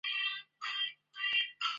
大字是以后成为党总裁的人物